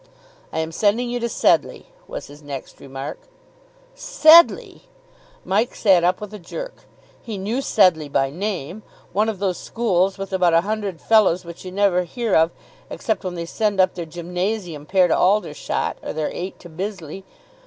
"I am sending you to Sedleigh," was his next remark. Sedleigh! Mike sat up with a jerk. He knew Sedleigh by name one of those schools with about a hundred fellows which you never hear of except when they send up their gymnasium pair to Aldershot, or their Eight to Bisley.